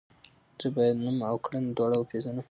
زه باید نوم او کړنه دواړه وپیژنم.